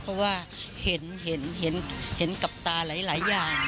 เพราะว่าเห็นกับตาหลายอย่าง